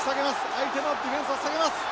相手のディフェンスを下げます。